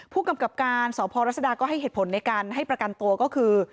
ผู้กำกับการสพรัศดาก็ให้เหตุผลในการให้ประกันตัวก็คือ